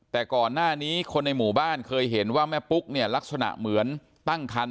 แต่ก่อนหน้านี้คนในหมู่บ้านเคยเห็นว่าแม่ปุ๊กเนี่ยลักษณะเหมือนตั้งคัน